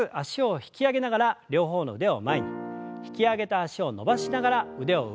引き上げた脚を伸ばしながら腕を上。